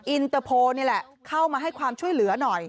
อินเตอร์โพลนี่แหละเข้ามาให้ความช่วยเหลือหน่อย